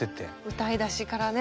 歌いだしからね